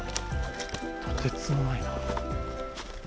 とてつもないな。